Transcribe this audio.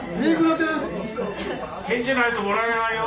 返事ないともらえないよ。